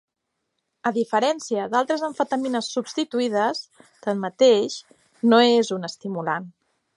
A diferència d'altres amfetamines substituïdes, tanmateix, no és un estimulant.